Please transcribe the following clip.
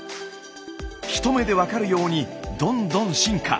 一目で分かるようにどんどん進化。